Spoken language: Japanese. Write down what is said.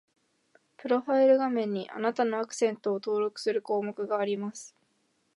プロファイル画面に、あなたのアクセントを登録する項目があります